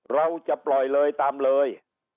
เราจะปล่อยเลยตามเลย